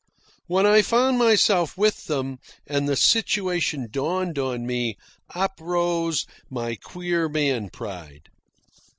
When I found myself with them, and the situation dawned on me, up rose my queer man pride.